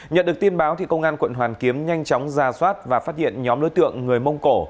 nhận được tin báo công an quận hoàn kiếm nhanh chóng ra soát và phát hiện nhóm đối tượng người mông cổ